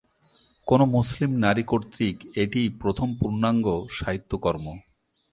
কোনো মুসলিম নারী কর্তৃক এটিই প্রথম পূর্ণাঙ্গ সাহিত্যকর্ম।